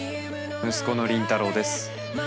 息子の倫太郎です。